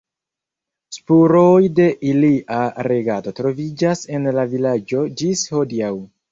Spuroj de ilia regado troviĝas en la vilaĝo ĝis hodiaŭ.